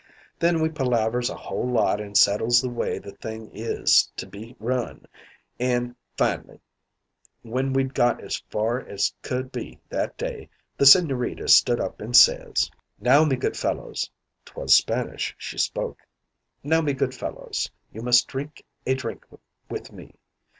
"Then we palavers a whole lot an' settles the way the thing is to be run, an' fin'ly, when we'd got as far as could be that day, the Sigñorita stood up an' says: "'Now me good fellows.' 'Twas Spanish she spoke. 'Now, me good fellows, you must drink a drink with me.'